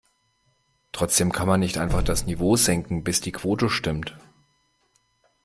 Trotzdem kann man nicht einfach das Niveau senken, bis die Quote stimmt.